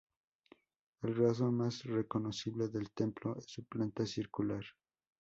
El rasgo más reconocible del templo es su planta circular.